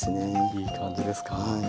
いい感じですか？